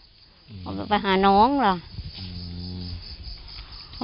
ที่มีข่าวเรื่องน้องหายตัว